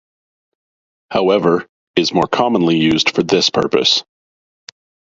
However, is more commonly used for this purpose.